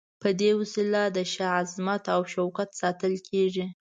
په دې وسیله د شاه عظمت او شوکت ساتل کیږي.